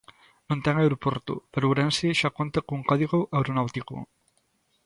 Non ten aeroporto, pero Ourense xa conta con código aeronáutico.